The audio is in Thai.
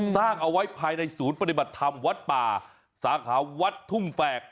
สร้างเอาไว้ภายในศูนย์ปฏิบัติธรรมวัดป่าสาขาวัดทุ่งแฝก